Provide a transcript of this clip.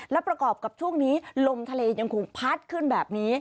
และประกอบกับช่วงนี้ลมทะเลยังคงพัดขึ้นแบบนี้